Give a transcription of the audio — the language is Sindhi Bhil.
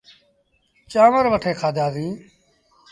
چآنور وٺي کآڌآسيٚݩ۔